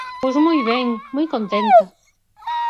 Pois moi ben, moi contenta.